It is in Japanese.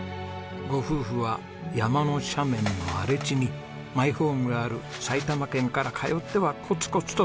ご夫婦は山の斜面の荒れ地にマイホームがある埼玉県から通ってはこつこつと整備。